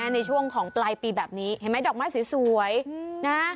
ในช่วงของปลายปีแบบนี้เห็นไหมดอกไม้สวยนะ